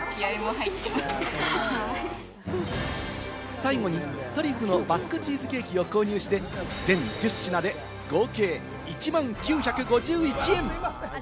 最後にトリュフのバスクチーズケーキを購入して全１０品で合計１万９５１円。